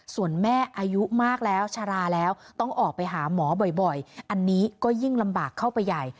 ส่วนแม่อายุมากแล้วชะลาแล้วต้องออกไปหาหมอบ่อยอันนี้ก็ยิ่งลำบากเข้าไปใหญ่